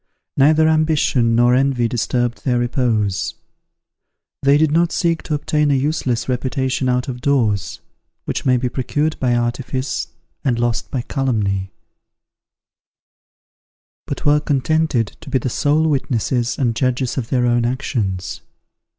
Neither ambition nor envy disturbed their repose. They did not seek to obtain a useless reputation out of doors, which may be procured by artifice and lost by calumny; but were contented to be the sole witnesses and judges of their own actions.